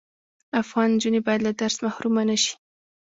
افغان انجوني بايد له درس محرومه نشی